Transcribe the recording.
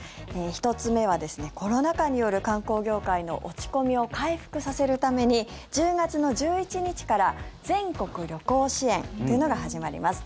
１つ目は、コロナ禍による観光業界の落ち込みを回復させるために１０月の１１日から全国旅行支援というのが始まります。